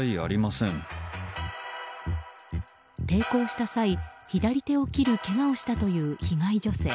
抵抗した際、左手を切るけがをしたという被害女性。